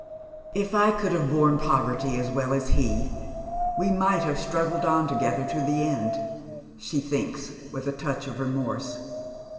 " If I could have borne poverty as well as he, we might have Bi.ruggled on together to the end," she thinks, with a touch of remorse.